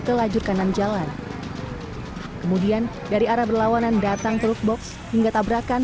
ke lajur kanan jalan kemudian dari arah berlawanan datang truk box hingga tabrakan